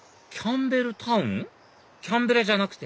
キャンベラじゃなくて？